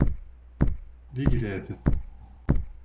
D igḍaḍ.